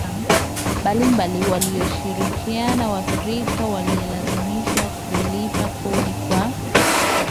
mbalimbali walishirikiana Waafrika walilazimishwa kulipa kodi kwa